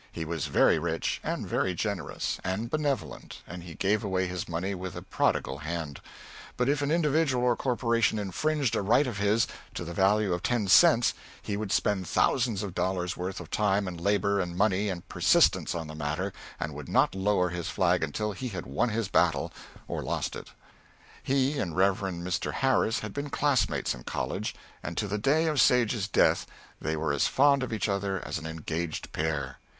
He was very rich, and very generous, and benevolent, and he gave away his money with a prodigal hand; but if an individual or corporation infringed a right of his, to the value of ten cents, he would spend thousands of dollars' worth of time and labor and money and persistence on the matter, and would not lower his flag until he had won his battle or lost it. He and Rev. Mr. Harris had been classmates in college, and to the day of Sage's death they were as fond of each other as an engaged pair.